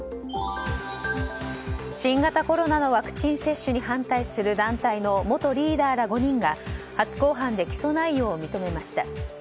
新型コロナのワクチン接種に反対する団体の元リーダーら５人が初公判で起訴内容を認めました。